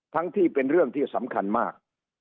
ที่เป็นเรื่องที่สำคัญมาก